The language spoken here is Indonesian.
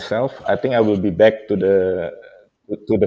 saya pikir saya akan kembali